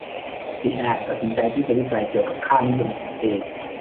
ปิแอร์ตัดสินใจที่จะวิจัยเกี่ยวกับค่านิยมของเกย์